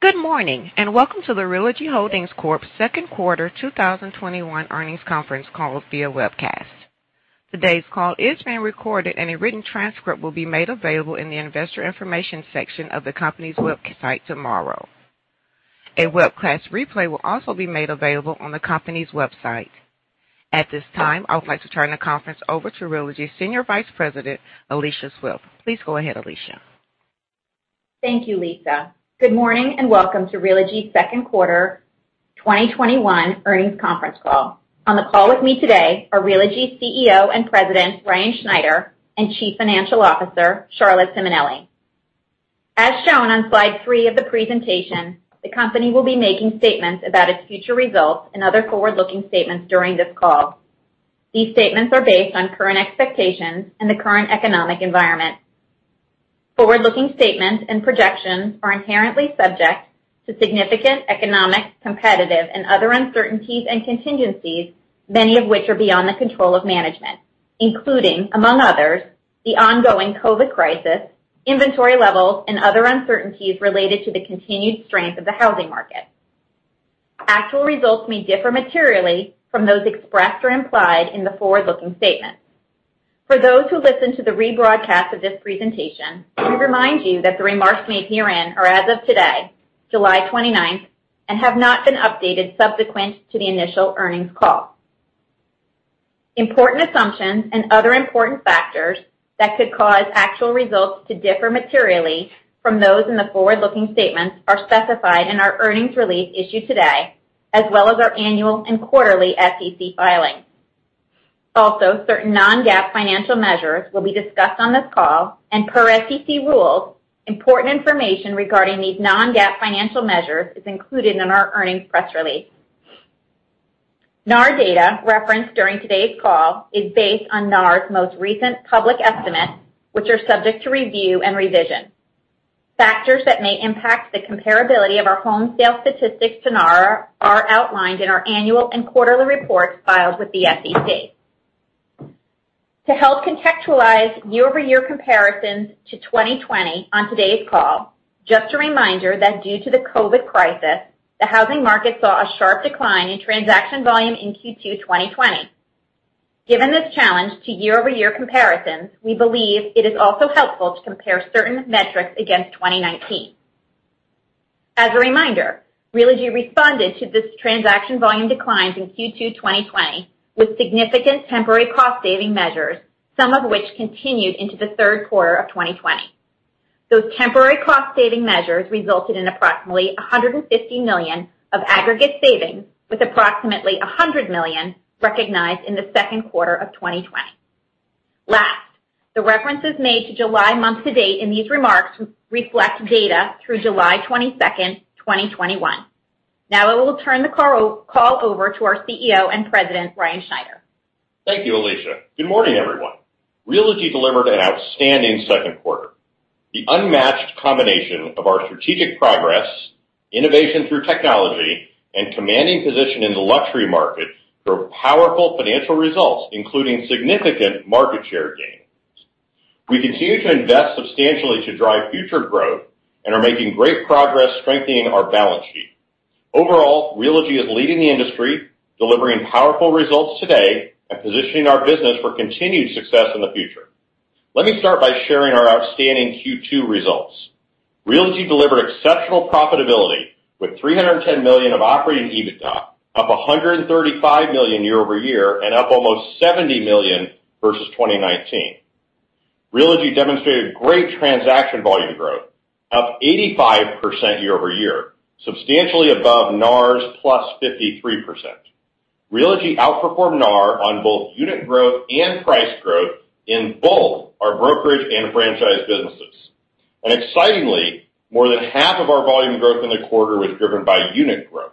Good morning, and welcome to the Realogy Holdings Corp.'s second quarter 2021 earnings conference call via webcast. Today's call is being recorded and a written transcript will be made available in the investor information section of the company's website tomorrow. A webcast replay will also be made available on the company's website. At this time, I would like to turn the conference over to Realogy's Senior Vice President, Alicia Swift. Please go ahead, Alicia. Thank you, Lisa. Good morning and welcome to Realogy's second quarter 2021 earnings conference call. On the call with me today areRealogy's CEO and President, Ryan Schneider, and Chief Financial Officer, Charlotte Simonelli. As shown on slide three of the presentation, the company will be making statements about its future results and other forward-looking statements during this call. These statements are based on current expectations and the current economic environment. Forward-looking statements and projections are inherently subject to significant economic, competitive, and other uncertainties and contingencies, many of which are beyond the control of management, including, among others, the ongoing COVID crisis, inventory levels, and other uncertainties related to the continued strength of the housing market. Actual results may differ materially from those expressed or implied in the forward-looking statements. For those who listen to the rebroadcast of this presentation, we remind you that the remarks made herein are as of today, July 29th, and have not been updated subsequent to the initial earnings call. Important assumptions and other important factors that could cause actual results to differ materially from those in the forward-looking statements are specified in our earnings release issued today, as well as our annual and quarterly SEC filings. Also, certain non-GAAP financial measures will be discussed on this call, and per SEC rules, important information regarding these non-GAAP financial measures is included in our earnings press release. NAR data referenced during today's call is based on NAR's most recent public estimates, which are subject to review and revision. Factors that may impact the comparability of our home sales statistics to NAR are outlined in our annual and quarterly reports filed with the SEC. To help contextualize year-over-year comparisons to 2020 on today's call, just a reminder that due to the COVID crisis, the housing market saw a sharp decline in transaction volume in Q2 2020. Given this challenge to year-over-year comparisons, we believe it is also helpful to compare certain metrics against 2019. As a reminder, Realogy responded to this transaction volume declines in Q2 2020 with significant temporary cost-saving measures, some of which continued into the third quarter of 2020. Those temporary cost-saving measures resulted in approximately $150 million of aggregate savings, with approximately $100 million recognized in the second quarter of 2020. Last, the references made to July month-to-date in these remarks reflect data through July 22nd, 2021. Now I will turn the call over to our CEO and President, Ryan Schneider. Thank you, Alicia. Good morning, everyone. Realogy delivered an outstanding second quarter. The unmatched combination of our strategic progress, innovation through technology, and commanding position in the luxury market drove powerful financial results, including significant market share gains. We continue to invest substantially to drive future growth and are making great progress strengthening our balance sheet. Overall, Realogy is leading the industry, delivering powerful results today, and positioning our business for continued success in the future. Let me start by sharing our outstanding Q2 results. Realogy delivered exceptional profitability with $310 million of Operating EBITDA, up $135 million year-over-year and up almost $70 million versus 2019. Realogy demonstrated great transaction volume growth, up 85% year-over-year, substantially above NAR's +53%. Realogy outperformed NAR on both unit growth and price growth in both our brokerage and franchise businesses. Excitingly, more than half of our volume growth in the quarter was driven by unit growth.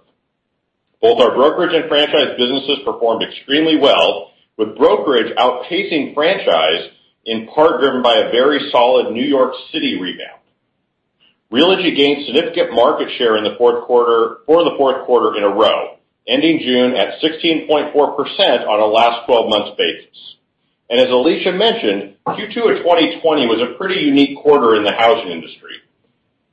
Both our brokerage and franchise businesses performed extremely well, with brokerage outpacing franchise in part driven by a very solid New York City rebound. Realogy gained significant market share for the fourth quarter in a row, ending June at 16.4% on a last 12 months basis. As Alicia mentioned, Q2 of 2020 was a pretty unique quarter in the housing industry.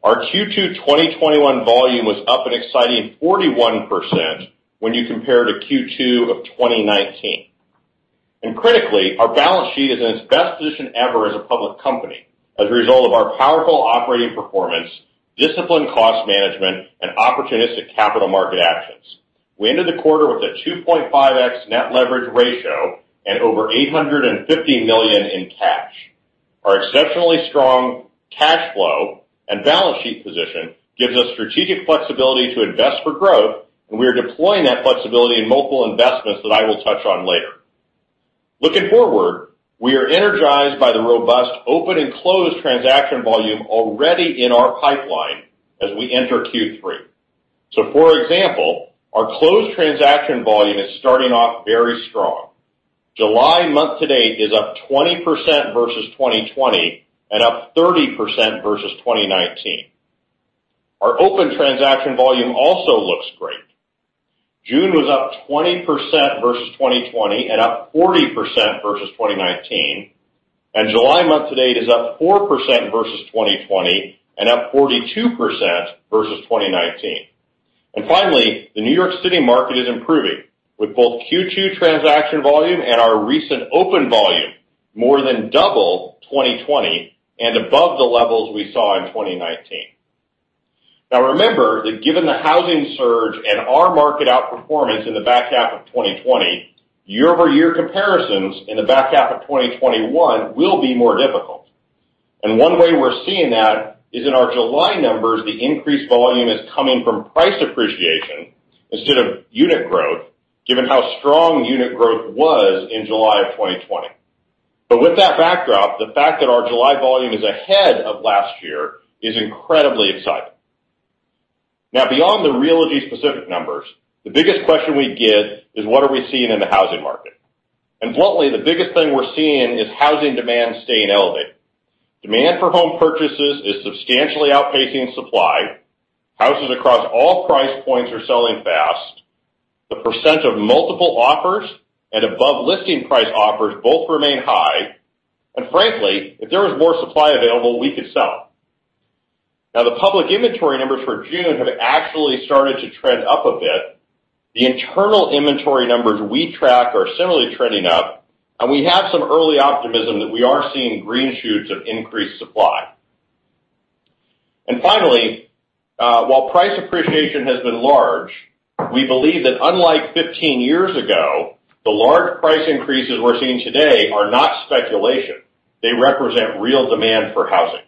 Our Q2 2021 volume was up an exciting 41% when you compare to Q2 of 2019. Critically, our balance sheet is in its best position ever as a public company as a result of our powerful operating performance, disciplined cost management, and opportunistic capital market actions. We ended the quarter with a 2.5x net leverage ratio and over $850 million in cash. Our exceptionally strong cash flow and balance sheet position gives us strategic flexibility to invest for growth, and we are deploying that flexibility in multiple investments that I will touch on later. Looking forward, we are energized by the robust open and closed transaction volume already in our pipeline as we enter Q3. For example, our closed transaction volume is starting off very strong. July month-to-date is up 20% versus 2020 and up 30% versus 2019. Our open transaction volume also looks great. June was up 20% versus 2020 and up 40% versus 2019. July month-to-date is up 4% versus 2020 and up 42% versus 2019. Finally, the New York City market is improving with both Q2 transaction volume and our recent open volume, more than double 2020 and above the levels we saw in 2019. Remember that given the housing surge and our market outperformance in the back half of 2020, year-over-year comparisons in the back half of 2021 will be more difficult. One way we're seeing that is in our July numbers, the increased volume is coming from price appreciation instead of unit growth, given how strong unit growth was in July of 2020. With that backdrop, the fact that our July volume is ahead of last year is incredibly exciting. Beyond the Realogy-specific numbers, the biggest question we get is what are we seeing in the housing market? Bluntly, the biggest thing we're seeing is housing demand staying elevated. Demand for home purchases is substantially outpacing supply. Houses across all price points are selling fast. The percent of multiple offers and above listing price offers both remain high. Frankly, if there was more supply available, we could sell. The public inventory numbers for June have actually started to trend up a bit. The internal inventory numbers we track are similarly trending up, and we have some early optimism that we are seeing green shoots of increased supply. Finally, while price appreciation has been large, we believe that unlike 15 years ago, the large price increases we're seeing today are not speculation. They represent real demand for housing.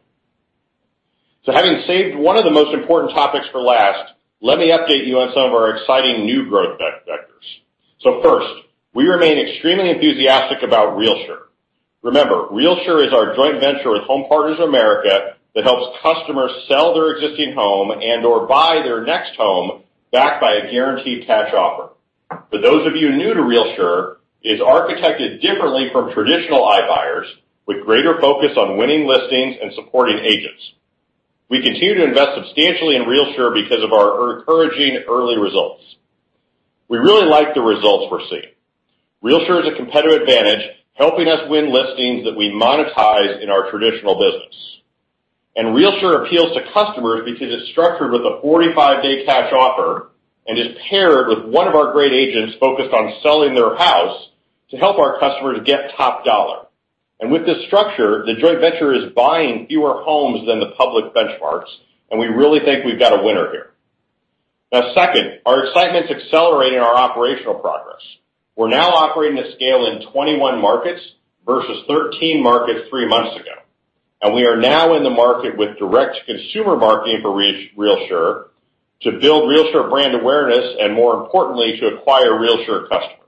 Having saved one of the most important topics for last, let me update you on some of our exciting new growth vectors. First, we remain extremely enthusiastic about RealSure. Remember, RealSure is our joint venture with Home Partners of America that helps customers sell their existing home and/or buy their next home backed by a guaranteed cash offer. For those of you new to RealSure, it's architected differently from traditional iBuyers with greater focus on winning listings and supporting agents. We continue to invest substantially in RealSure because of our encouraging early results. We really like the results we're seeing. RealSure is a competitive advantage, helping us win listings that we monetize in our traditional business. RealSure appeals to customers because it's structured with a 45-day cash offer and is paired with one of our great agents focused on selling their house to help our customers get top dollar. With this structure, the joint venture is buying fewer homes than the public benchmarks, and we really think we've got a winner here. Now second, our excitement's accelerating our operational progress. We're now operating at scale in 21 markets versus 13 markets three months ago. We are now in the market with direct consumer marketing for RealSure to build RealSure brand awareness and more importantly, to acquire RealSure customers.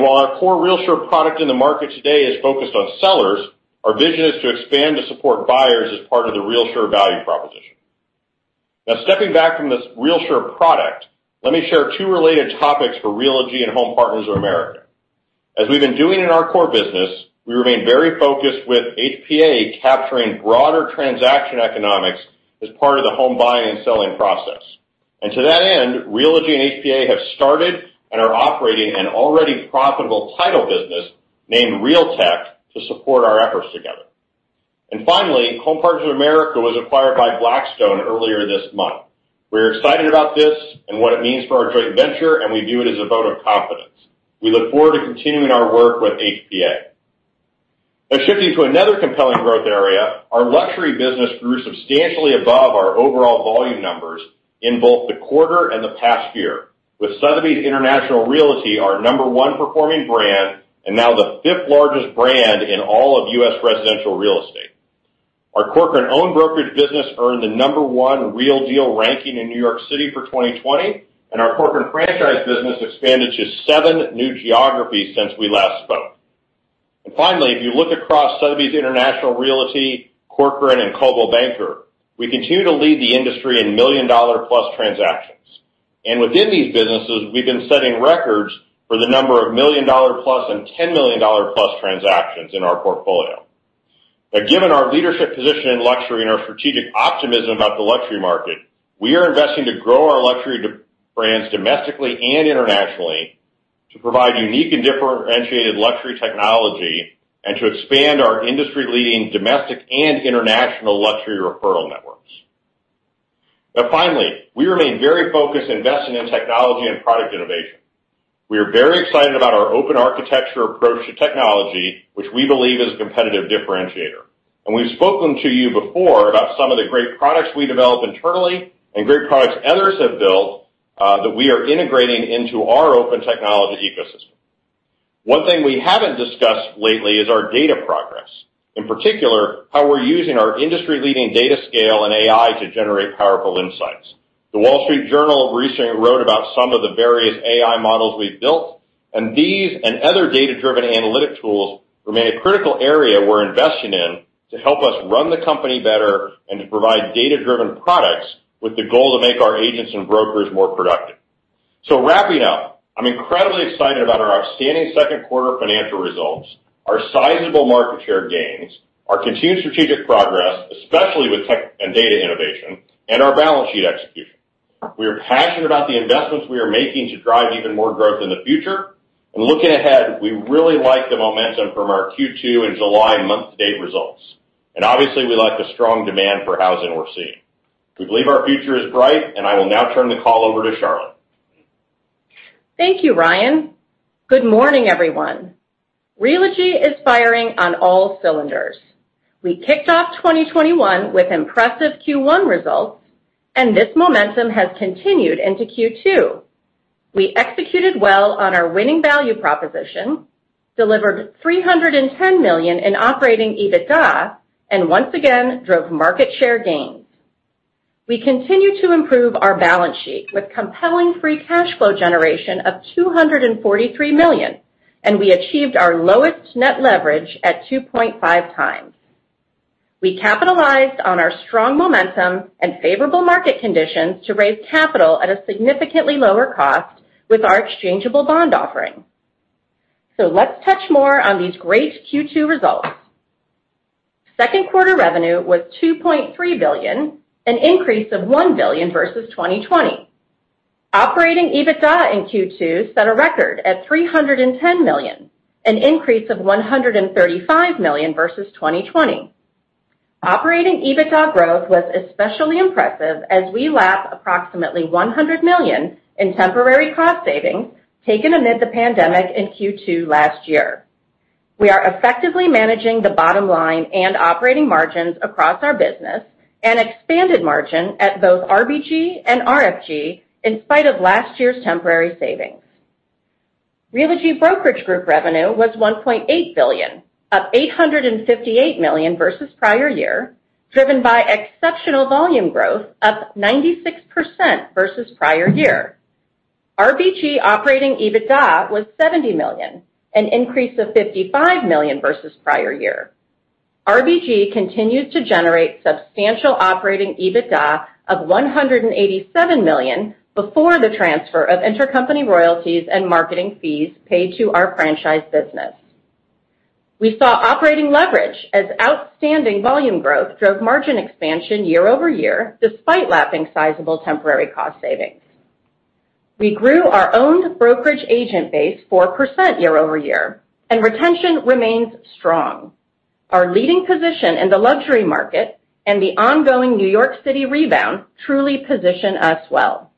While our core RealSure product in the market today is focused on sellers, our vision is to expand to support buyers as part of the RealSure value proposition. Stepping back from this RealSure product, let me share two related topics for Realogy and Home Partners of America. As we've been doing in our core business, we remain very focused with HPA capturing broader transaction economics as part of the home buying and selling process. To that end, Realogy and HPA have started and are operating an already profitable title business named Realtec to support our efforts together. Finally, Home Partners of America was acquired by Blackstone earlier this month. We're excited about this and what it means for our joint venture, and we view it as a vote of confidence. We look forward to continuing our work with HPA. Shifting to another compelling growth area, our luxury business grew substantially above our overall volume numbers in both the quarter and the past year with Sotheby's International Realty, our number one performing brand, and now the fifth-largest brand in all of U.S. residential real estate. Our Corcoran owned brokerage business earned the number one The Real Deal ranking in New York City for 2020, our Corcoran franchise business expanded to seven new geographies since we last spoke. Finally, if you look across Sotheby's International Realty, Corcoran, and Coldwell Banker, we continue to lead the industry in $1+ million transactions. Within these businesses, we've been setting records for the number of $1+ million and $10+ million transactions in our portfolio. Given our leadership position in luxury and our strategic optimism about the luxury market, we are investing to grow our luxury brands domestically and internationally to provide unique and differentiated luxury technology and to expand our industry-leading domestic and international luxury referral networks. Finally, we remain very focused on investing in technology and product innovation. We are very excited about our open architecture approach to technology, which we believe is a competitive differentiator. We've spoken to you before about some of the great products we develop internally and great products others have built, that we are integrating into our open technology ecosystem. One thing we haven't discussed lately is our data progress. In particular, how we're using our industry-leading data scale and AI to generate powerful insights. The Wall Street Journal recently wrote about some of the various AI models we've built. These and other data-driven analytic tools remain a critical area we're investing in to help us run the company better and to provide data-driven products with the goal to make our agents and brokers more productive. Wrapping up, I'm incredibly excited about our outstanding second quarter financial results, our sizable market share gains, our continued strategic progress, especially with tech and data innovation, and our balance sheet execution. We are passionate about the investments we are making to drive even more growth in the future. Looking ahead, we really like the momentum from our Q2 and July month-to-date results. Obviously, we like the strong demand for housing we're seeing. We believe our future is bright, and I will now turn the call over to Charlotte. Thank you, Ryan. Good morning, everyone. Realogy is firing on all cylinders. We kicked off 2021 with impressive Q1 results, and this momentum has continued into Q2. We executed well on our winning value proposition, delivered $310 million in Operating EBITDA, and once again, drove market share gains. We continue to improve our balance sheet with compelling free cash flow generation of $243 million, and we achieved our lowest net leverage at 2.5 times. We capitalized on our strong momentum and favorable market conditions to raise capital at a significantly lower cost with our exchangeable bond offering. Let's touch more on these great Q2 results. Second quarter revenue was $2.3 billion, an increase of $1 billion versus 2020. Operating EBITDA in Q2 set a record at $310 million, an increase of $135 million versus 2020. Operating EBITDA growth was especially impressive as we lap approximately $100 million in temporary cost savings taken amid the pandemic in Q2 last year. We are effectively managing the bottom line and operating margins across our business, and expanded margin at both RBG and RFG in spite of last year's temporary savings. Realogy Brokerage Group revenue was $1.8 billion, up $858 million versus prior year, driven by exceptional volume growth, up 96% versus prior year. RBG Operating EBITDA was $70 million, an increase of $55 million versus prior year. RBG continues to generate substantial Operating EBITDA of $187 million before the transfer of intercompany royalties and marketing fees paid to our franchise business. We saw operating leverage as outstanding volume growth drove margin expansion year-over-year, despite lapping sizable temporary cost savings. We grew our own brokerage agent base 4% year-over-year, and retention remains strong. Our leading position in the luxury market and the ongoing New York City rebound truly position us well.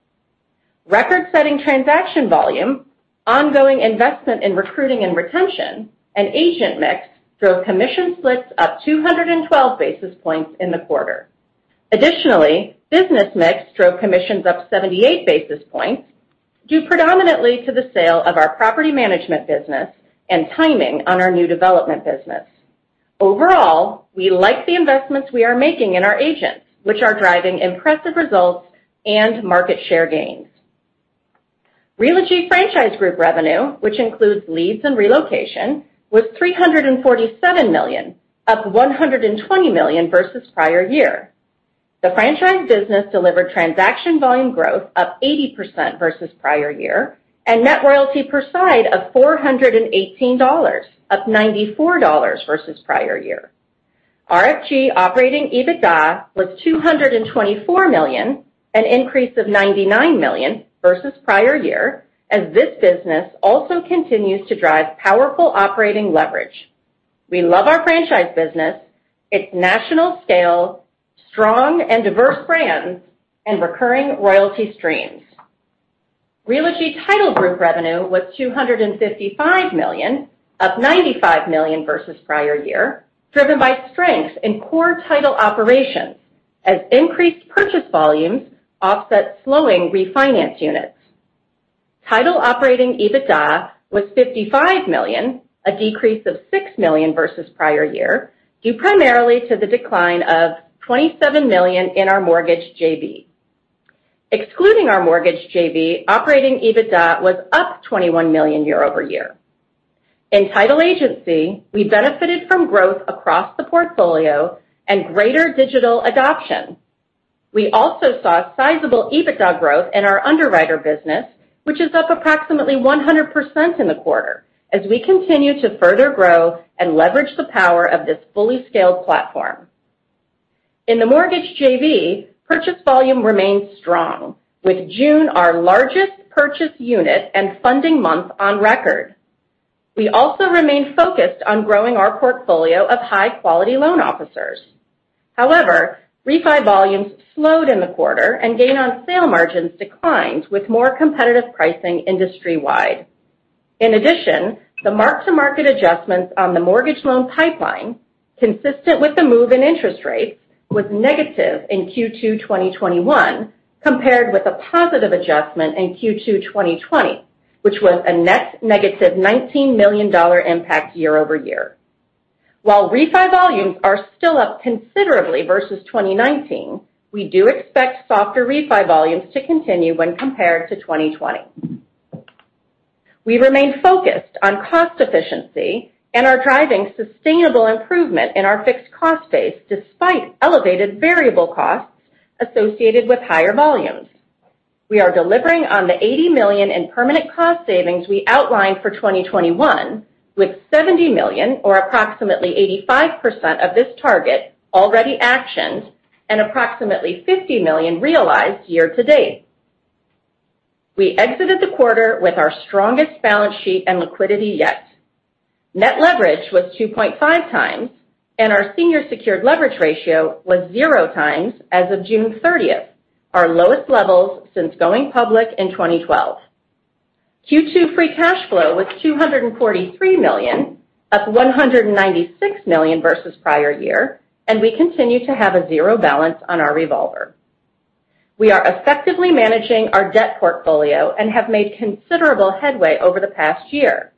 Record-setting transaction volume, ongoing investment in recruiting and retention, and agent mix drove commission splits up 212 basis points in the quarter. Additionally, business mix drove commissions up 78 basis points, due predominantly to the sale of our property management business and timing on our new development business. Overall, we like the investments we are making in our agents, which are driving impressive results and market share gains. Realogy Franchise Group revenue, which includes leads and relocation, was $347 million, up $120 million versus prior year. The franchise business delivered transaction volume growth up 80% versus prior year and net royalty per side of $418, up $94 versus prior year. RFG Operating EBITDA was $224 million, an increase of $99 million versus prior year, as this business also continues to drive powerful operating leverage. We love our franchise business, its national scale, strong and diverse brands, and recurring royalty streams. Realogy Title Group revenue was $255 million, up $95 million versus prior year, driven by strength in core title operations as increased purchase volumes offset slowing refinance units. Title Operating EBITDA was $55 million, a decrease of $6 million versus prior year, due primarily to the decline of $27 million in our mortgage JV. Excluding our mortgage JV, Operating EBITDA was up $21 million year-over-year. In Title Agency, we benefited from growth across the portfolio and greater digital adoption. We also saw sizable EBITDA growth in our underwriter business, which is up approximately 100% in the quarter as we continue to further grow and leverage the power of this fully-scaled platform. In the mortgage JV, purchase volume remains strong, with June our largest purchase unit and funding month on record. We also remain focused on growing our portfolio of high-quality loan officers. However, refi volumes slowed in the quarter and gain on sale margins declined with more competitive pricing industry-wide. In addition, the mark-to-market adjustments on the mortgage loan pipeline, consistent with the move in interest rates, was negative in Q2 2021, compared with a positive adjustment in Q2 2020, which was a net $-19 million impact year-over-year. While refi volumes are still up considerably versus 2019, we do expect softer refi volumes to continue when compared to 2020. We remain focused on cost efficiency and are driving sustainable improvement in our fixed cost base despite elevated variable costs associated with higher volumes. We are delivering on the $80 million in permanent cost savings we outlined for 2021, with $70 million, or approximately 85% of this target already actioned and approximately $50 million realized year to date. We exited the quarter with our strongest balance sheet and liquidity yet. Net leverage was 2.5 times, and our senior secured leverage ratio was zero times as of June 30th, our lowest levels since going public in 2012. Q2 free cash flow was $243 million, up $196 million versus prior year, and we continue to have a zero balance on our revolver. We are effectively managing our debt portfolio and have made considerable headway over the past year.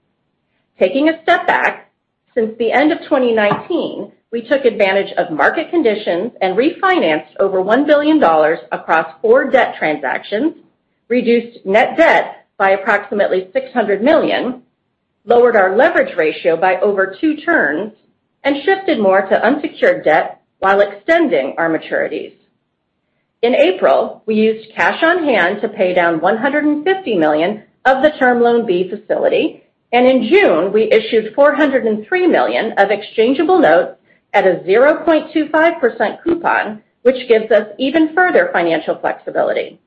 Taking a step back, since the end of 2019, we took advantage of market conditions and refinanced over $1 billion across four debt transactions, reduced net debt by approximately $600 million, lowered our leverage ratio by over two turns, and shifted more to unsecured debt while extending our maturities. In April, we used cash on hand to pay down $150 million of the Term Loan B facility, and in June, we issued $403 million of exchangeable notes at a 0.25% coupon, which gives us even further financial flexibility.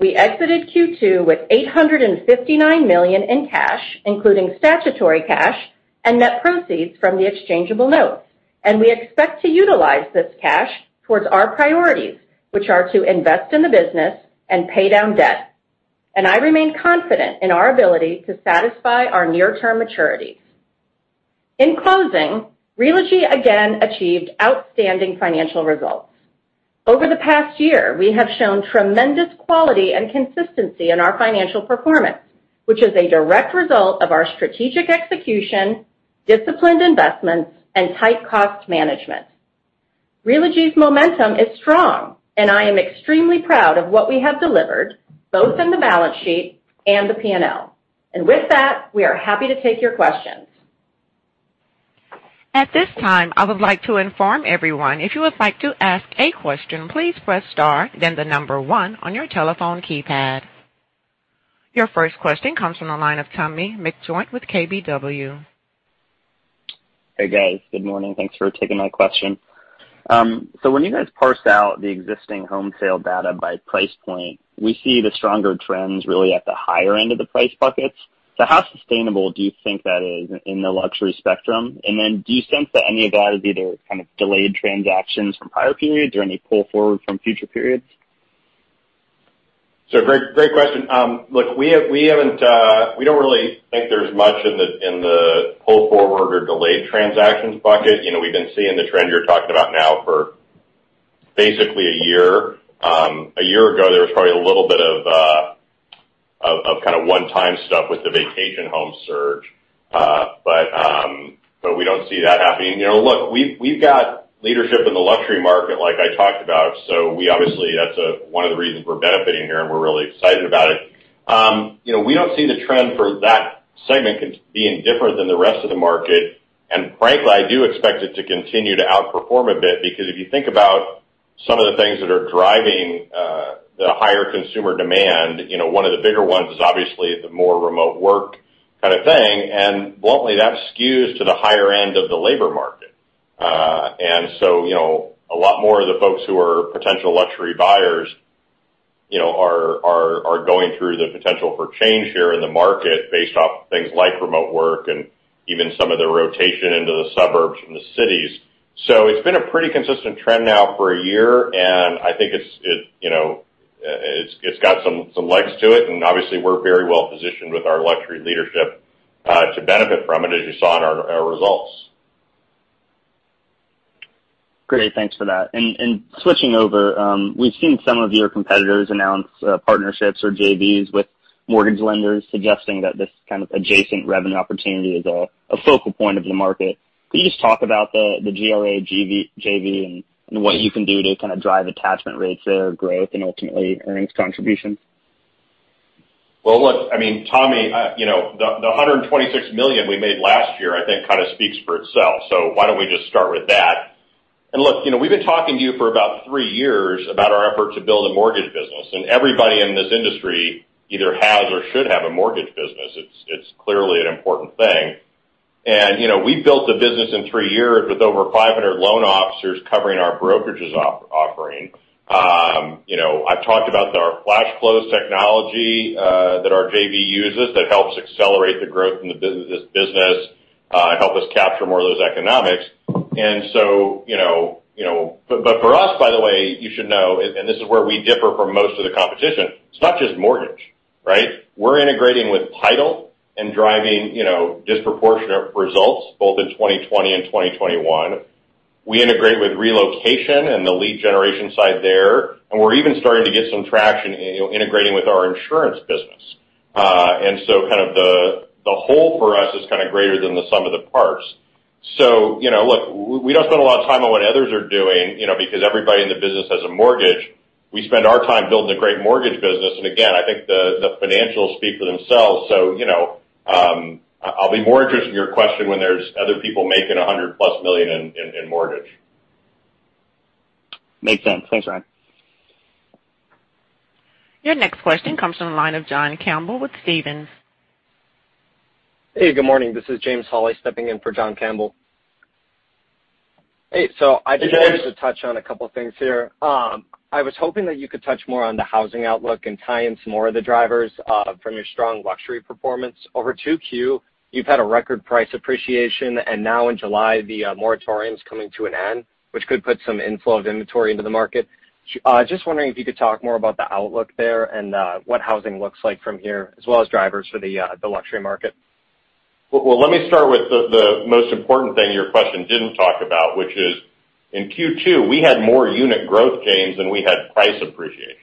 We exited Q2 with $859 million in cash, including statutory cash and net proceeds from the exchangeable notes. We expect to utilize this cash towards our priorities, which are to invest in the business and pay down debt. I remain confident in our ability to satisfy our near-term maturities. In closing, Realogy again achieved outstanding financial results. Over the past year, we have shown tremendous quality and consistency in our financial performance, which is a direct result of our strategic execution, disciplined investments, and tight cost management. Realogy's momentum is strong, and I am extremely proud of what we have delivered both in the balance sheet and the P&L. With that, we are happy to take your questions. Your first question comes from the line of Thomas McJoynt with KBW. Hey, guys. Good morning. Thanks for taking my question. When you guys parse out the existing home sale data by price point, we see the stronger trends really at the higher end of the price buckets. How sustainable do you think that is in the luxury spectrum? Do you sense that any of that is either kind of delayed transactions from prior periods or any pull forward from future periods? Great question. We don't really think there's much in the pull forward or delayed transactions bucket. We've been seeing the trend you're talking about now for basically one year. One year ago, there was probably a little bit of kind of one-time stuff with the vacation home surge. We don't see that happening. We've got leadership in the luxury market like I talked about. Obviously, that's one of the reasons we're benefiting here, and we're really excited about it. We don't see the trend for that segment being different than the rest of the market. Frankly, I do expect it to continue to outperform a bit, because if you think about some of the things that are driving the higher consumer demand, one of the bigger ones is obviously the more remote work kind of thing, and bluntly, that skews to the higher end of the labor market. A lot more of the folks who are potential luxury buyers are going through the potential for change here in the market based off things like remote work and even some of the rotation into the suburbs from the cities. It's been a pretty consistent trend now for a year, and I think it's got some legs to it, and obviously, we're very well positioned with our luxury leadership to benefit from it, as you saw in our results. Great. Thanks for that. Switching over, we've seen some of your competitors announce partnerships or JVs with mortgage lenders suggesting that this kind of adjacent revenue opportunity is a focal point of the market. Can you just talk about the GRA JV and what you can do to kind of drive attachment rates there, growth, and ultimately earnings contribution? Look, Tommy, the $126 million we made last year, I think kind of speaks for itself. Why don't we just start with that? Look, we've been talking to you for about three years about our effort to build a mortgage business, and everybody in this industry either has or should have a mortgage business. It's clearly an important thing. We've built a business in three years with over 500 loan officers covering our brokerages offering. I've talked about our FlashClose technology that our JV uses that helps accelerate the growth in this business, help us capture more of those economics. For us, by the way, you should know, and this is where we differ from most of the competition, it's not just mortgage, right? We're integrating with title and driving disproportionate results both in 2020 and 2021. We integrate with relocation and the lead generation side there, and we're even starting to get some traction integrating with our insurance business. The whole for us is kind of greater than the sum of the parts. Look, we don't spend a lot of time on what others are doing, because everybody in the business has a mortgage. We spend our time building a great mortgage business, and again, I think the financials speak for themselves. I'll be more interested in your question when there's other people making $100+ million in mortgage. Makes sense. Thanks, Ryan. Your next question comes from the line of John Campbell with Stephens. Hey, good morning. This is James Hawley stepping in for John Campbell. Hey, James. just wanted to touch on a couple things here. I was hoping that you could touch more on the housing outlook and tie in some more of the drivers from your strong luxury performance. Over 2Q, you've had a record price appreciation, and now in July, the moratorium's coming to an end, which could put some inflow of inventory into the market. Just wondering if you could talk more about the outlook there and what housing looks like from here, as well as drivers for the luxury market. Well, let me start with the most important thing your question didn't talk about, which is in Q2, we had more unit growth gains than we had price appreciation.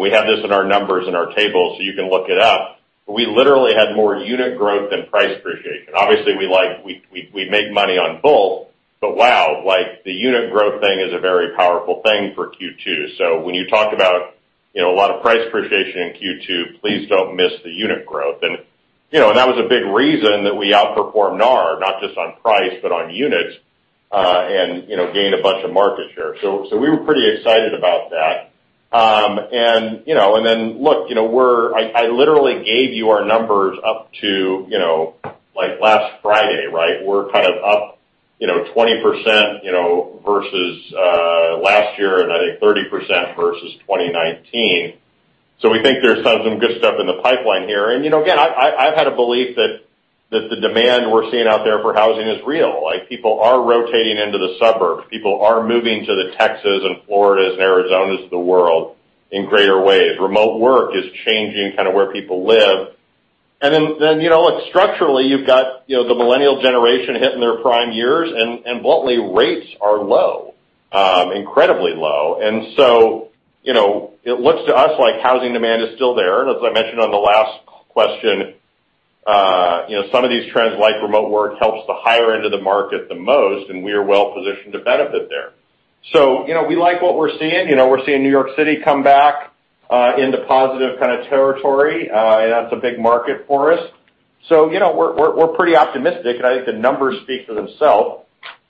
We have this in our numbers in our tables, so you can look it up. We literally had more unit growth than price appreciation. Obviously, we make money on both, but wow, the unit growth thing is a very powerful thing for Q2. When you talk about a lot of price appreciation in Q2, please don't miss the unit growth. That was a big reason that we outperformed NAR, not just on price, but on units, and gained a bunch of market share. We were pretty excited about that. Look, I literally gave you our numbers up to last Friday, right? We're up 20% versus last year, and I think 30% versus 2019. We think there's some good stuff in the pipeline here. Again, I've had a belief that the demand we're seeing out there for housing is real. People are rotating into the suburbs. People are moving to the Texas and Floridas and Arizonas of the world in greater ways. Remote work is changing where people live. Then structurally, you've got the millennial generation hitting their prime years, and bluntly, rates are low. Incredibly low. It looks to us like housing demand is still there. As I mentioned on the last question, some of these trends, like remote work, helps the higher end of the market the most, and we are well-positioned to benefit there. We like what we're seeing. We're seeing New York City come back into positive territory, and that's a big market for us. We're pretty optimistic, and I think the numbers speak for themselves.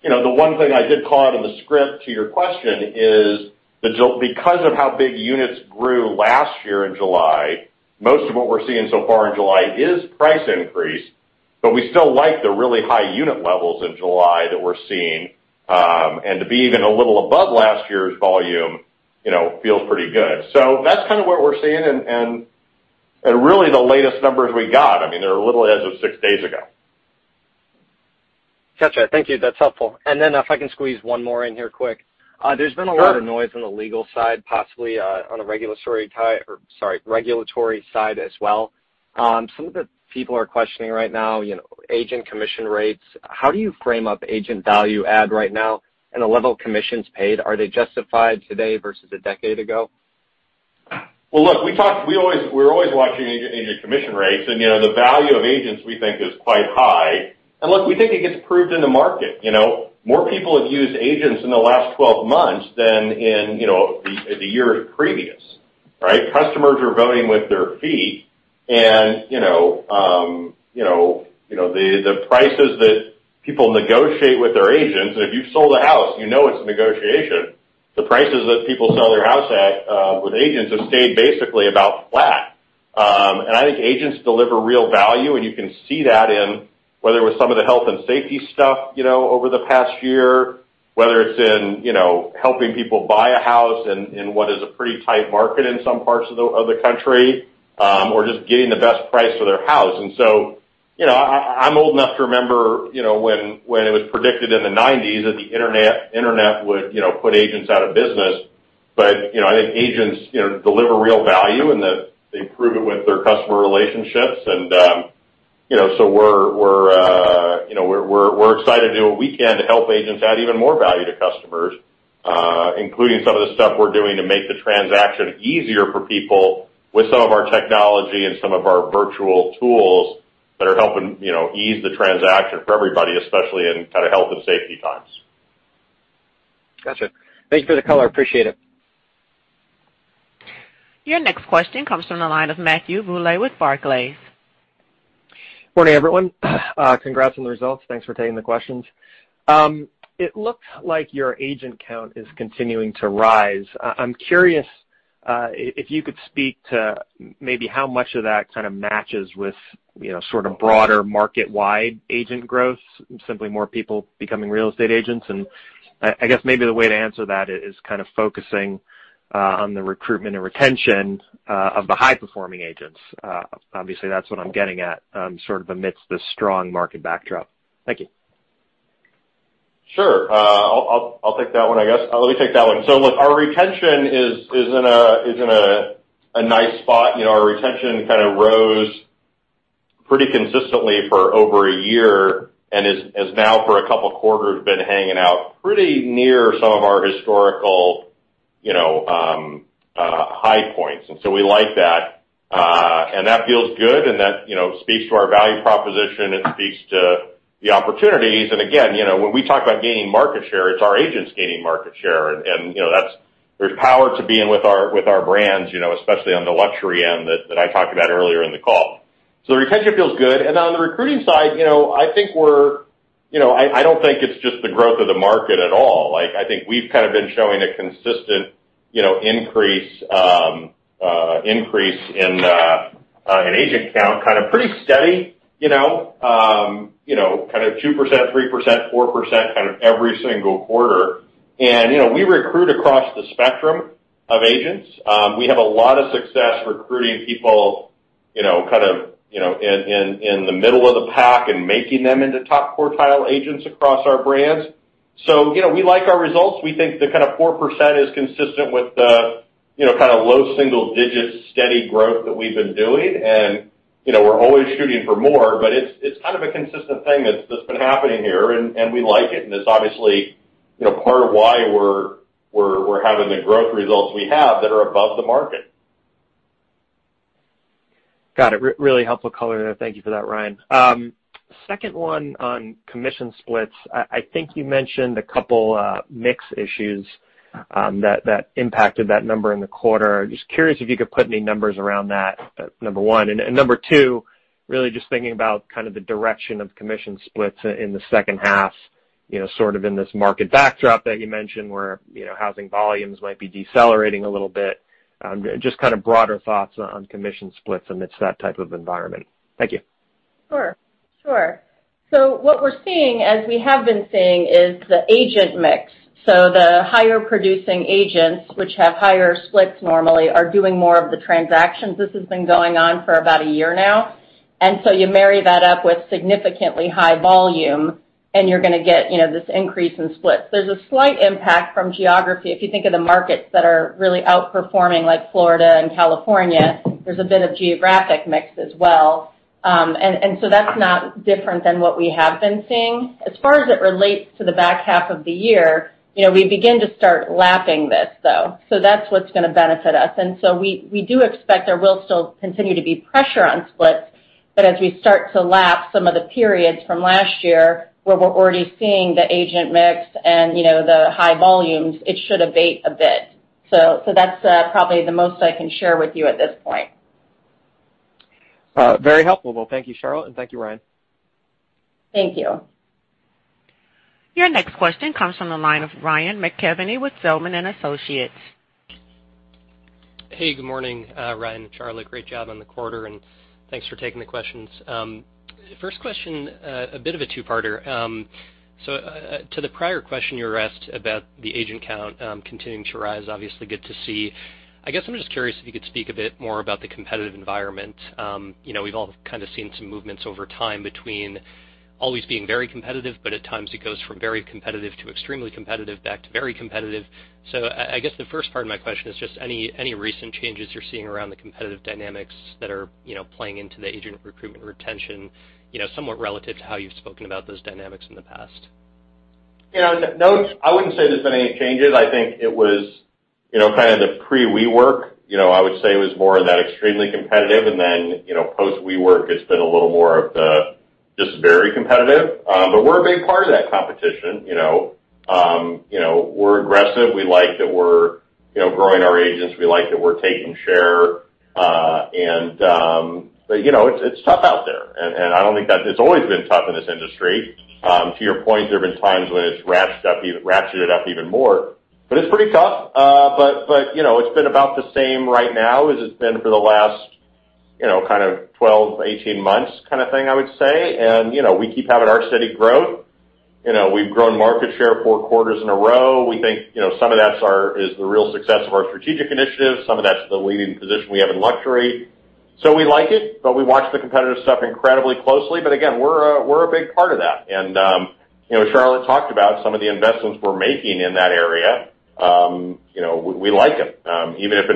The one thing I did call out in the script to your question is because of how big units grew last year in July, most of what we're seeing so far in July is price increase, but we still like the really high unit levels in July that we're seeing. To be even a little above last year's volume feels pretty good. That's what we're seeing and really the latest numbers we got. They're literally as of six days ago. Got you. Thank you. That's helpful. If I can squeeze one more in here quick. Sure. There's been a lot of noise on the legal side, possibly on a regulatory side as well. Some of the people are questioning right now agent commission rates. How do you frame up agent value add right now and the level of commissions paid? Are they justified today versus a decade ago? Well, look, we're always watching agent commission rates, and the value of agents, we think, is quite high. Look, we think it gets proved in the market. More people have used agents in the last 12 months than in the year previous, right? Customers are voting with their feet, and the prices that people negotiate with their agents, and if you've sold a house, you know it's a negotiation. The prices that people sell their house at with agents have stayed basically about flat. I think agents deliver real value, and you can see that in whether it was some of the health and safety stuff over the past year, whether it's in helping people buy a house in what is a pretty tight market in some parts of the country, or just getting the best price for their house. I'm old enough to remember when it was predicted in the '90s that the internet would put agents out of business. I think agents deliver real value, and they prove it with their customer relationships. We're excited to do what we can to help agents add even more value to customers, including some of the stuff we're doing to make the transaction easier for people with some of our technology and some of our virtual tools that are helping ease the transaction for everybody, especially in health and safety times. Got you. Thank you for the color. Appreciate it. Your next question comes from the line of Matthew Bouley with Barclays. Morning, everyone. Congrats on the results. Thanks for taking the questions. It looks like your agent count is continuing to rise. I'm curious if you could speak to maybe how much of that matches with broader market-wide agent growth, simply more people becoming real estate agents. I guess maybe the way to answer that is focusing on the recruitment and retention of the high-performing agents. Obviously, that's what I'm getting at amidst this strong market backdrop. Thank you. Sure. I'll take that one, I guess. Let me take that one. Look, our retention is in a nice spot. Our retention rose pretty consistently for over a year and has now, for a couple of quarters, been hanging out pretty near some of our historical high points. We like that. That feels good, and that speaks to our value proposition. It speaks to the opportunities. Again, when we talk about gaining market share, it's our agents gaining market share. There's power to being with our brands, especially on the luxury end that I talked about earlier in the call. The retention feels good. On the recruiting side, I don't think it's just the growth of the market at all. I think we've been showing a consistent increase in agent count, pretty steady, 2%, 3%, 4% every single quarter. We recruit across the spectrum of agents. We have a lot of success recruiting people in the middle of the pack and making them into top quartile agents across our brands. We like our results. We think the 4% is consistent with the low single digits steady growth that we've been doing. We're always shooting for more, but it's a consistent thing that's been happening here and we like it, and it's obviously part of why we're having the growth results we have that are above the market. Got it. Really helpful color there. Thank you for that, Ryan. Second 1 on commission splits. I think you mentioned a couple mix issues that impacted that number in the quarter. Curious if you could put any numbers around that, number one. Number two, really just thinking about the direction of commission splits in the second half, in this market backdrop that you mentioned where housing volumes might be decelerating a little bit. Broader thoughts on commission splits amidst that type of environment. Thank you. Sure. What we're seeing, as we have been seeing, is the agent mix. The higher producing agents, which have higher splits normally, are doing more of the transactions. This has been going on for about a year now. You marry that up with significantly high volume, and you're going to get this increase in splits. There's a slight impact from geography. If you think of the markets that are really outperforming, like Florida and California, there's a bit of geographic mix as well. That's not different than what we have been seeing. As far as it relates to the back half of the year, we begin to start lapping this, though. That's what's going to benefit us. We do expect there will still continue to be pressure on splits, but as we start to lap some of the periods from last year where we're already seeing the agent mix and the high volumes, it should abate a bit. That's probably the most I can share with you at this point. Very helpful. Well, thank you, Charlotte, and thank you, Ryan. Thank you. Your next question comes from the line of Ryan McKeveny with Zelman & Associates. Hey, good morning Ryan and Charlotte. Great job on the quarter. Thanks for taking the questions. First question, a bit of a two-parter. To the prior question you were asked about the agent count continuing to rise, obviously good to see. I guess I'm just curious if you could speak a bit more about the competitive environment. We've all seen some movements over time between always being very competitive, but at times it goes from very competitive to extremely competitive, back to very competitive. I guess the first part of my question is just any recent changes you're seeing around the competitive dynamics that are playing into the agent recruitment retention, somewhat relative to how you've spoken about those dynamics in the past. I wouldn't say there's been any changes. I think it was the pre-WeWork. I would say it was more of that extremely competitive. Then post-WeWork, it's been a little more of the just very competitive. We're a big part of that competition. We're aggressive. We like that we're growing our agents. We like that we're taking share. It's tough out there. It's always been tough in this industry. To your point, there have been times when it's ratcheted up even more, but it's pretty tough. It's been about the same right now as it's been for the last 12, 18 months, I would say. We keep having our steady growth. We've grown market share four quarters in a row. We think some of that is the real success of our strategic initiatives. Some of that's the leading position we have in luxury. We like it, but we watch the competitive stuff incredibly closely. Again, we're a big part of that. Charlotte talked about some of the investments we're making in that area. We like them. Even if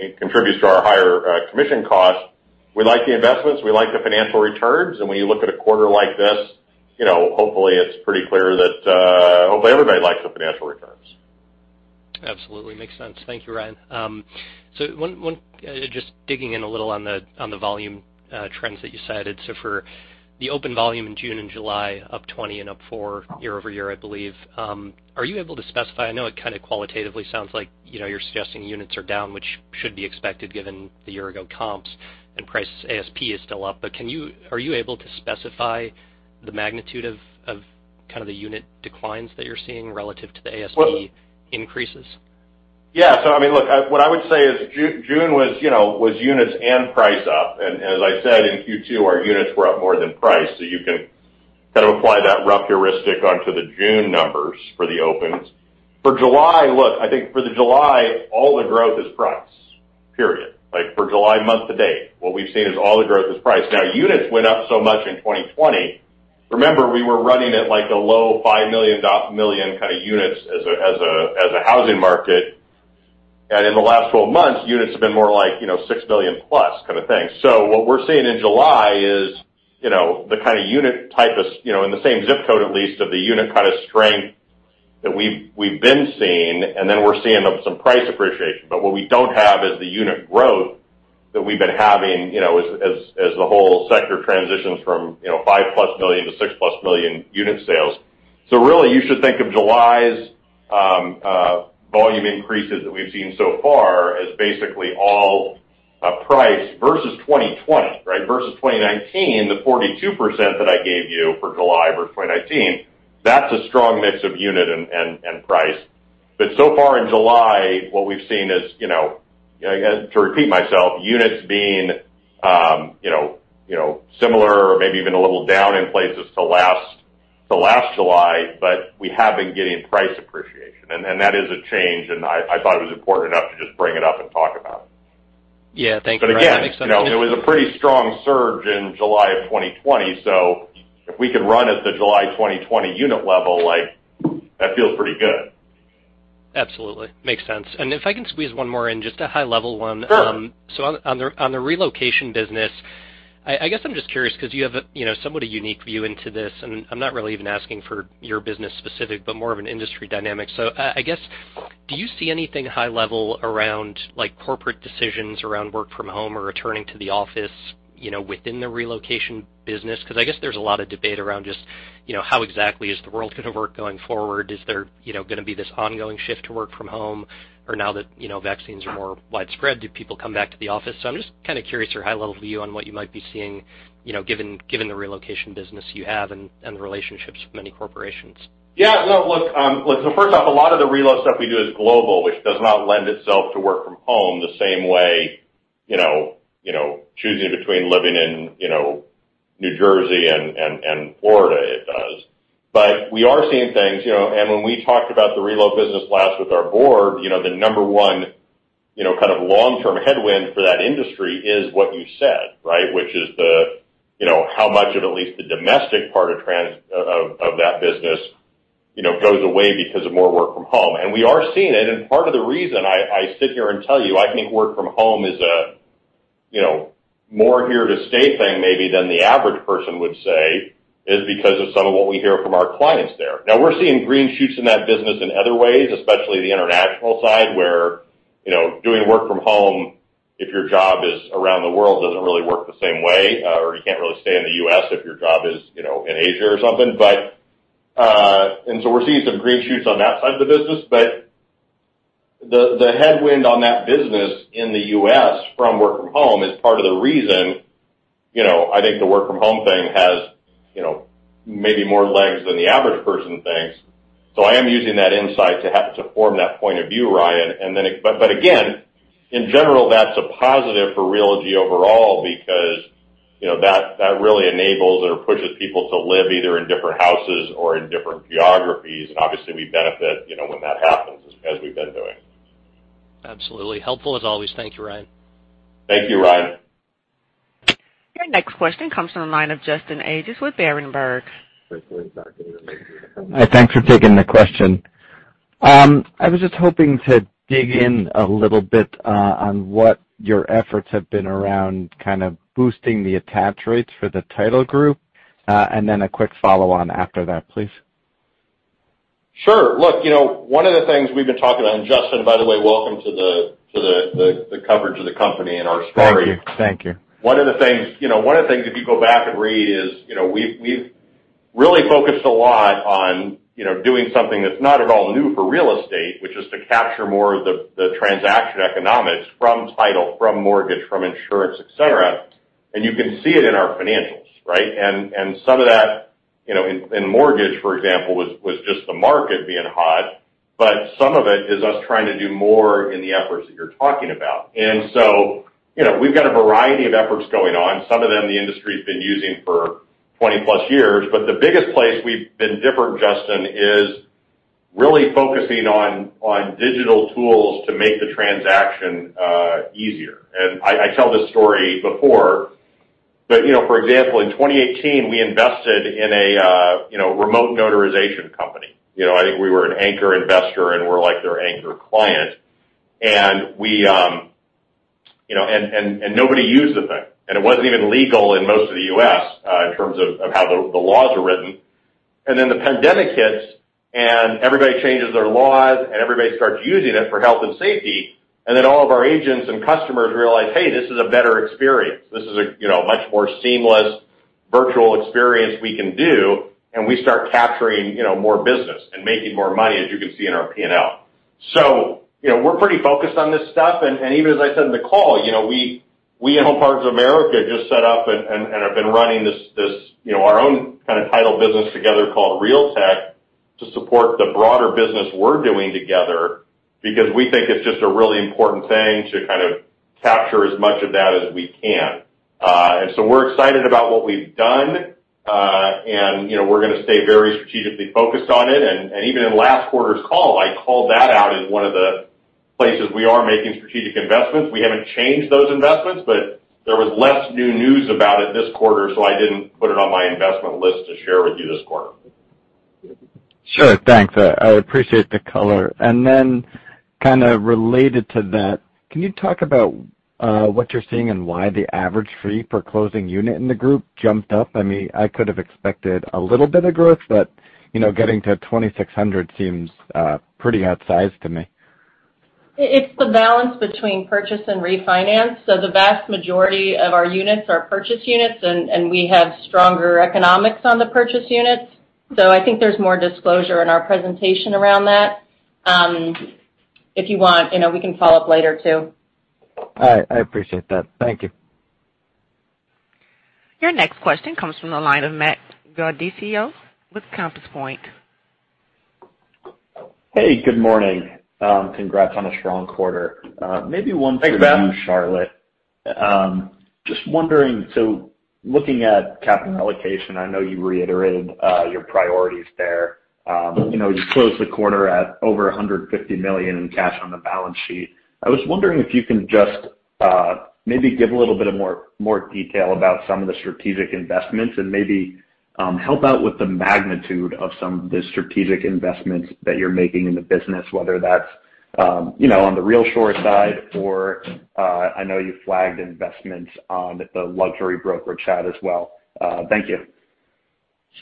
it contributes to our higher commission costs, we like the investments, we like the financial returns, and when you look at a quarter like this, hopefully everybody likes the financial returns. Absolutely. Makes sense. Thank you, Ryan. Just digging in a little on the volume trends that you cited. For the open volume in June and July, up 20 and up 4 year-over-year, I believe. Are you able to specify, I know it qualitatively sounds like you're suggesting units are down, which should be expected given the year-ago comps and price ASP is still up. Are you able to specify the magnitude of the unit declines that you're seeing relative to the ASP increases? What I would say is June was units and price up. As I said in Q2, our units were up more than price. You can apply that rough heuristic onto the June numbers for the opens. For July, I think for the July, all the growth is price. Period. For July month to date, what we've seen is all the growth is price. Units went up so much in 2020. Remember, we were running at a low $5 million kind of units as a housing market. In the last 12 months, units have been more $6+ million. What we're seeing in July is in the same zip code, at least of the unit kind of strength that we've been seeing, and then we're seeing some price appreciation. What we don't have is the unit growth that we've been having as the whole sector transitions from 5+ million to 6-pl million unit sales. Really, you should think of July's volume increases that we've seen so far as basically all price versus 2020, right. Versus 2019, the 42% that I gave you for July for 2019, that's a strong mix of unit and price. So far in July, what we've seen is, to repeat myself, units being similar or maybe even a little down in places to last July, but we have been getting price appreciation, and that is a change, and I thought it was important enough to just bring it up and talk about. Yeah. Thanks, Ryan. Makes sense. Again, it was a pretty strong surge in July of 2020. If we could run at the July 2020 unit level, that feels pretty good. Absolutely. Makes sense. If I can squeeze one more in, just a high-level one. Sure. On the relocation business, I guess I'm just curious because you have a somewhat unique view into this, and I'm not really even asking for your business specific, but more of an industry dynamic. I guess, do you see anything high level around corporate decisions around work from home or returning to the office within the relocation business? I guess there's a lot of debate around just how exactly is the world going to work going forward. Is there going to be this ongoing shift to work from home, or now that vaccines are more widespread, do people come back to the office? I'm just kind of curious your high-level view on what you might be seeing, given the relocation business you have and the relationships with many corporations. Look, first off, a lot of the relo stuff we do is global, which does not lend itself to work from home the same way choosing between living in New Jersey and Florida, it does. We are seeing things, and when we talked about the relo business last with our board, the number one kind of long-term headwind for that industry is what you said, right? Which is how much of at least the domestic part of that business goes away because of more work from home. We are seeing it, and part of the reason I sit here and tell you I think work from home is a more here to stay thing maybe than the average person would say, is because of some of what we hear from our clients there. Now, we're seeing green shoots in that business in other ways, especially the international side, where doing work from home, if your job is around the world, doesn't really work the same way, or you can't really stay in the U.S. if your job is in Asia or something. We're seeing some green shoots on that side of the business, but the headwind on that business in the U.S. from work from home is part of the reason I think the work from home thing has maybe more legs than the average person thinks. I am using that insight to form that point of view, Ryan. Again, in general, that's a positive for Realogy overall because that really enables or pushes people to live either in different houses or in different geographies. Obviously, we benefit when that happens, as we've been doing. Absolutely. Helpful as always. Thank you, Ryan. Thank you, Ryan. Your next question comes from the line of Justin Ages with Berenberg. Hi. Thanks for taking the question. I was just hoping to dig in a little bit on what your efforts have been around kind of boosting the attach rates for the Title Group, and then a quick follow-on after that, please. Sure. Look, one of the things we've been talking about, and Justin, by the way, welcome to the coverage of the company and our story. Thank you. One of the things, if you go back and read is, we've really focused a lot on doing something that's not at all new for real estate, which is to capture more of the transaction economics from Title, from Mortgage, from insurance, et cetera. You can see it in our financials, right? Some of that in Mortgage, for example, was just the market being hot. Some of it is us trying to do more in the efforts that you're talking about. We've got a variety of efforts going on. Some of them the industry's been using for 20+ years, but the biggest place we've been different, Justin, is really focusing on digital tools to make the transaction easier. I tell this story before, but for example, in 2018, we invested in a remote notarization company. I think we were an anchor investor, and we're like their anchor client. Nobody used the thing, and it wasn't even legal in most of the U.S. in terms of how the laws were written. Then the pandemic hits, and everybody changes their laws, and everybody starts using it for health and safety, and then all of our agents and customers realize, "Hey. This is a better experience. This is a much more seamless virtual experience we can do," and we start capturing more business and making more money, as you can see in our P&L. We're pretty focused on this stuff, and even as I said in the call, we at Home Partners of America just set up and have been running our own kind of Title business together called Realtec to support the broader business we're doing together because we think it's just a really important thing to kind of capture as much of that as we can. We're excited about what we've done. We're going to stay very strategically focused on it. Even in last quarter's call, I called that out as one of the places we are making strategic investments. We haven't changed those investments, but there was less new news about it this quarter, so I didn't put it on my investment list to share with you this quarter. Sure. Thanks. I appreciate the color. Kind of related to that, can you talk about what you're seeing and why the average fee per closing unit in the group jumped up? I could have expected a little bit of growth, but getting to 2,600 seems pretty outsized to me. It's the balance between purchase and refinance. The vast majority of our units are purchase units, and we have stronger economics on the purchase units. I think there's more disclosure in our presentation around that. If you want, we can follow up later, too. All right. I appreciate that. Thank you. Your next question comes from the line of Matthew Gaudioso with Compass Point. Hey, good morning. Congrats on a strong quarter. Thanks, Matt. Maybe one for you, Charlotte. Just wondering, looking at capital allocation, I know you reiterated your priorities there. You closed the quarter at over $150 million in cash on the balance sheet. I was wondering if you can just maybe give a little bit more detail about some of the strategic investments and maybe help out with the magnitude of some of the strategic investments that you're making in the business, whether that's on the RealSure side or I know you flagged investments on the luxury brokerage side as well. Thank you.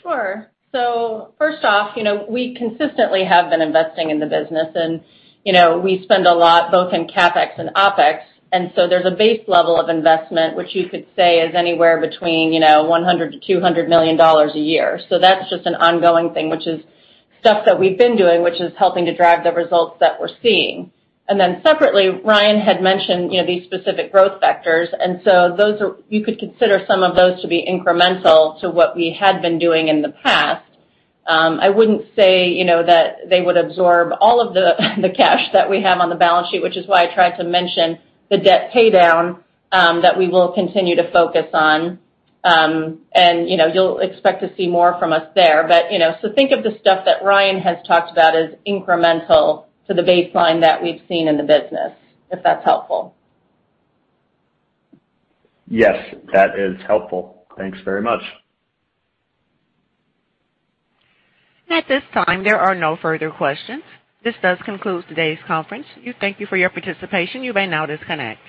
Sure. First off, we consistently have been investing in the business and we spend a lot both in CapEx and OpEx. There's a base level of investment, which you could say is anywhere between $100 million-$200 million a year. That's just an ongoing thing, which is stuff that we've been doing, which is helping to drive the results that we're seeing. Separately, Ryan had mentioned these specific growth vectors, and so you could consider some of those to be incremental to what we had been doing in the past. I wouldn't say that they would absorb all of the cash that we have on the balance sheet, which is why I tried to mention the debt paydown that we will continue to focus on. You'll expect to see more from us there. Think of the stuff that Ryan has talked about as incremental to the baseline that we've seen in the business, if that's helpful. Yes, that is helpful. Thanks very much. At this time, there are no further questions. This does conclude today's conference. Thank you for your participation. You may now disconnect.